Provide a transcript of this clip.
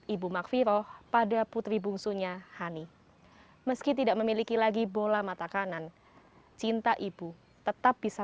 ibu magviroh pada putri bungsunya hani meski tidak memiliki lagi bola mata kanan cinta ibu tetap bisa